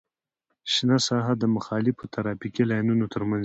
شنه ساحه د مخالفو ترافیکي لاینونو ترمنځ وي